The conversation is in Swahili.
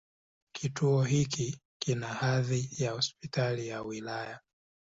Kituo hiki kina hadhi ya Hospitali ya wilaya.